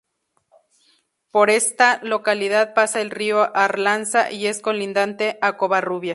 Por esta localidad pasa el río Arlanza, y es colindante a Covarrubias.